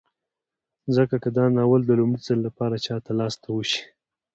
ځکه که دا ناول د لومړي ځل لپاره چاته لاس ته وشي